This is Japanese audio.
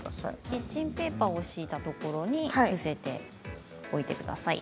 キッチンペーパーを敷いたところに伏せておいてください。